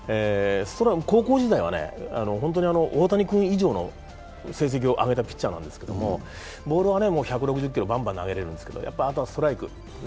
高校時代は本当に大谷君以上の戦績を挙げたピッチャーなんですけどもボールは１６０キロ、バンバン投げれるんですけどやっぱりあとはストライク。